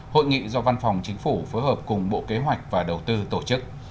hội nghị do văn phòng chính phủ phối hợp cùng bộ kế hoạch và đầu tư tổ chức